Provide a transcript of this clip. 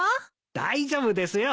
大丈夫ですよ。